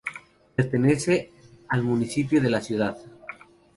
Pertenece al municipio de la ciudad.